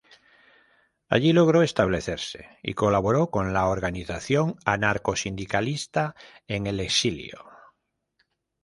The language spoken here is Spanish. Allí logró establecerse y colaboró con la organización anarcosindicalista en el exilio.